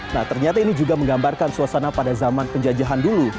nah ternyata ini juga menggambarkan suasana pada zaman penjajahan dulu